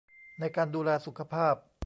ในการดูแลสุขภาพ